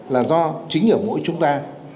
là do chính ở mỗi chúng ta